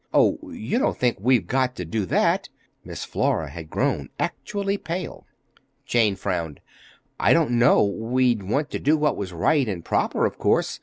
Oh, you don't think we've got to do that?" Miss Flora had grown actually pale. Jane frowned. "I don't know. We'd want to do what was right and proper, of course.